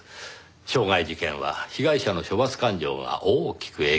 傷害事件は被害者の処罰感情が大きく影響しますからねぇ。